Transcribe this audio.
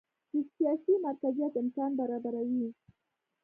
د سیاسي مرکزیت امکان برابروي.